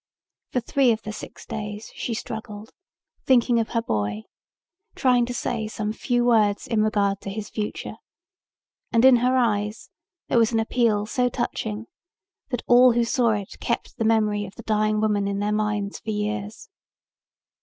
For three of the six days she struggled, thinking of her boy, trying to say some few words in regard to his future, and in her eyes there was an appeal so touching that all who saw it kept the memory of the dying woman in their minds for years.